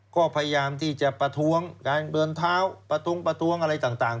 ก็พยายามที่จะประท้วงการเดินเท้าประทงประท้วงอะไรต่าง